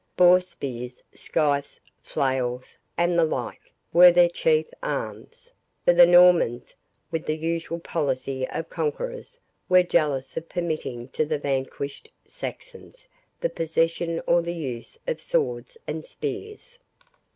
Boar spears, scythes, flails, and the like, were their chief arms; for the Normans, with the usual policy of conquerors, were jealous of permitting to the vanquished Saxons the possession or the use of swords and spears.